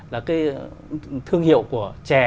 là cái thương hiệu của trè